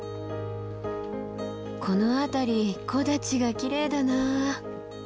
この辺り木立がきれいだな。